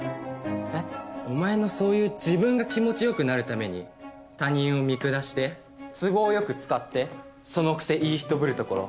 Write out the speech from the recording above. えっ？お前のそういう自分が気持ち良くなるために他人を見下して都合よく使ってそのくせいい人ぶるところ